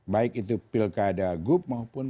baik itu pilkada gub maupun